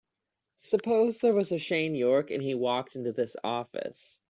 Suppose there was a Shane York and he walked into this office.